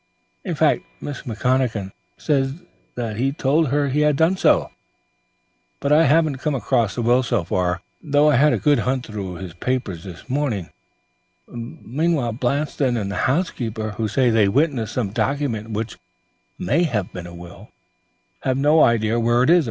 In fact, Miss McConachan says he told her he had done so, but I haven't come across the will so far, though I had a good hunt through his papers this morning; Blanston and the housekeeper, who say they witnessed some document which may have been a will, have no idea where it is.